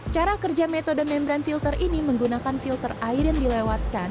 cara kerja metode membran filter ini menggunakan filter air yang dilewatkan